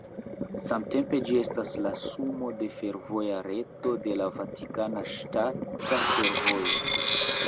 Samtempe ĝi estas la sumo de fervoja reto de la Vatikana Ŝtata Fervojo.